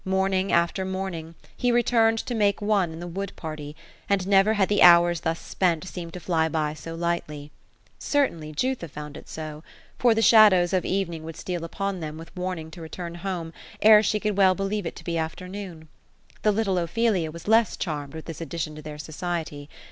Morning after morning, he returned to make one in the wood party ; and never had the hours thus spent, seemed to fly by so lightly. Certainly, Jutha found it so ; for the shadows of evening would steal upon them, with warning to return home, ere she could well believe it to be afternoon. The little Ophelia was less charmed with this addition to their society.